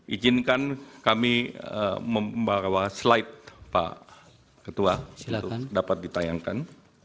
ijinkan kami membawa slide pak ketua untuk dapat ditayangkan